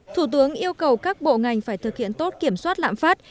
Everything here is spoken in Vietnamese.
thủ tướng yêu cầu các bộ ngành phải thực hiện tốt kiểm soát lãm phát